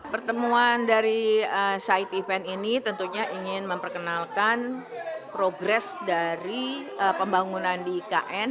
pertemuan dari side event ini tentunya ingin memperkenalkan progres dari pembangunan di ikn